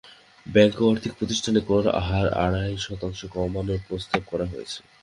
Bank ও আর্থিক প্রতিষ্ঠানের কর হার আড়াই শতাংশ কমানোর প্রস্তাব করা হয়েছে।